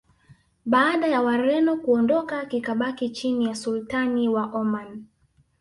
baada ya wareno kuondoka kikabaki chini ya sultani wa oman